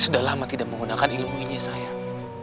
aku sudah lama tidak menggunakan ilmu ini sayang